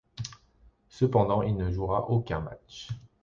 Cependant il ne jouera aucun match.